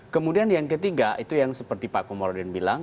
kemudian yang ketiga itu yang seperti pak komarudin bilang